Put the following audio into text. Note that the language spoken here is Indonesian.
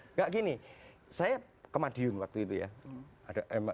enggak gini saya ke madiun waktu itu ya